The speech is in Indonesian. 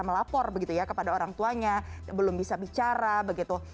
melapor begitu ya kepada orang tuanya belum bisa bicara begitu